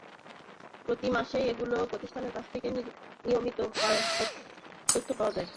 প্রতি মাসেই এতগুলো প্রতিষ্ঠানের কাছ থেকে নিয়মিত তথ্য পাওয়া যায় না।